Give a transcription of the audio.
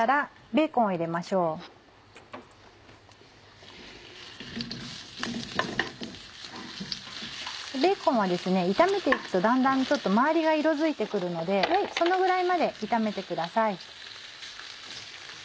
ベーコンはですね炒めて行くとだんだん周りが色づいて来るのでそのぐらいまで炒めてください。